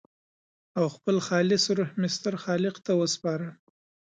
او خپل خالص روح مې ستر خالق ته وسپاره.